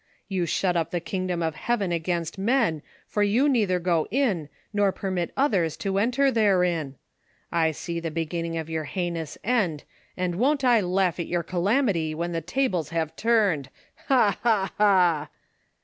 You shut up the king dom of heaven against men, for you neither go in, nor per mit others to enter tlierein ! I see the beginning of your heinous end, and won't I laugh at your calamity when the tables have turned ! Ha ! ha !! ha